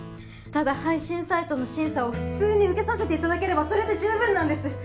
ただ配信サイトの審査を普通に受けさせていただければそれで十分なんです